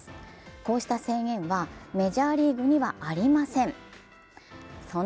こうした制限はメジャーリーグにはありません。